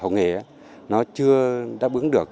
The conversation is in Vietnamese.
học nghề nó chưa đáp ứng được